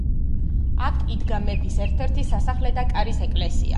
აქ იდგა მეფის ერთ-ერთი სასახლე და კარის ეკლესია.